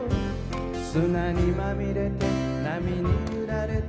「砂にまみれて波にゆられて」